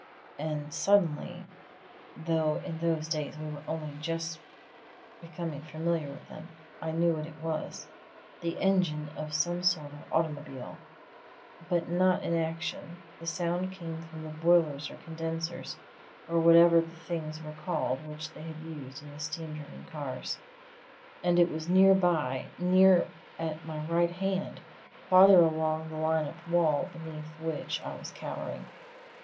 And suddenly though in those days we were only just becoming familiar with them I knew what it was the engine of some sort of automobile; but not in action; the sound came from the boilers or condensers, or whatever the things were called which they used in the steam driven cars. And it was near by near at my right hand, farther along the line of the wall beneath which I was cowering.